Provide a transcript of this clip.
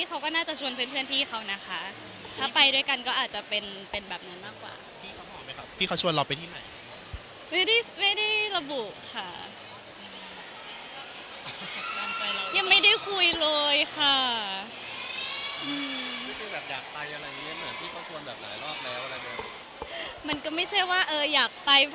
ถ้ามันเป็นช่วงที่เราได้พักข่อนที่ได้ไปเที่ยวนะนี่ก็ดีอยู่แล้วล่ะค่ะ